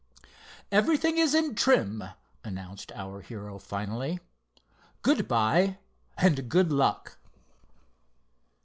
"Everything is in trim," announced our hero, finally. "Good bye and good luck."